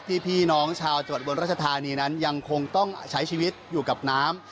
พี่น้องชาวจังหวัดอุบลรัชธานีนั้นยังคงต้องใช้ชีวิตอยู่กับน้ำ